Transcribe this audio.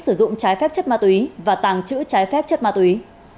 sử dụng trái phép chất ma túy và tàng trữ trái phép chất ma túy